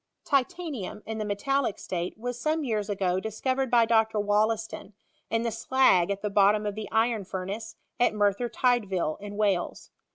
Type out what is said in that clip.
Titanium, in the metallic state, was some yean ago diacoTcred by Dr. Wollaaton, in the slag at the bottom of the iron furnace, at Merthyr Tydvil, b Wales.